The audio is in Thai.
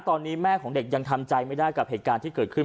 ตอนนี้แม่ของเด็กยังทำใจไม่ได้กับเหตุการณ์ที่เกิดขึ้น